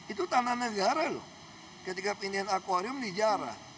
itu tanah negara loh ketika pindahan akwarium dijarah